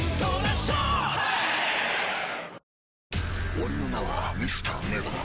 俺の名はＭｒ．ＮＥＶＥＲ。